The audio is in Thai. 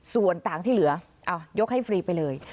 ส่วนต่างที่เหลือยกให้ฟรีไปเลย